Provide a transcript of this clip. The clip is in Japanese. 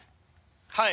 はい。